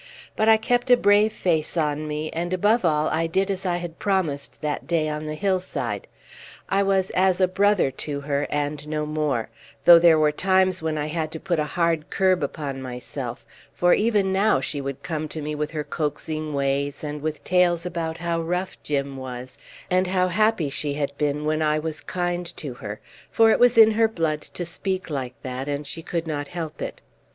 But I kept a brave face on me; and, above all, I did as I had promised that day on the hillside. I was as a brother to her, and no more: though there were times when I had to put a hard curb upon myself; for even now she would come to me with her coaxing ways, and with tales about how rough Jim was, and how happy she had been when I was kind to her; for it was in her blood to speak like that, and she could not help it.